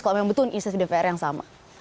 kalau memang betul ini inisiatif dpr yang sama